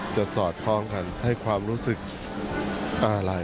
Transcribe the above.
จะสอดคล้องให้ความรู้สึกอาลัย